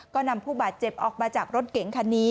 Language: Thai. ก็นำผู้บาดเจ็บออกมาจากรถเก๋งคันนี้